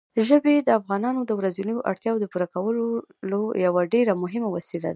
ژبې د افغانانو د ورځنیو اړتیاوو د پوره کولو یوه ډېره مهمه وسیله ده.